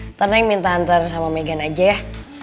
ntar neng minta anter sama megan aja ya